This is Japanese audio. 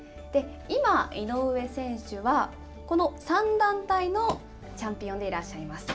今、井上選手は、この３団体のチャンピオンでいらっしゃいます。